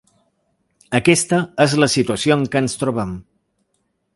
Aquesta és la situació en què ens trobem.